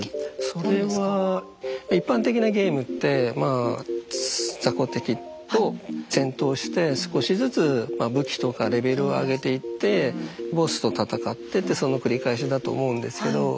それは一般的なゲームってまあザコ敵と戦闘して少しずつ武器とかレベルを上げていってボスと戦ってってその繰り返しだと思うんですけど